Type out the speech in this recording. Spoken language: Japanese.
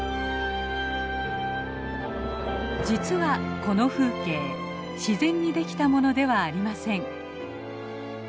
実はこの風景自然に出来たものではありません。